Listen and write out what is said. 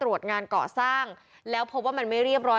ตรวจงานเกาะสร้างแล้วพบว่ามันไม่เรียบร้อย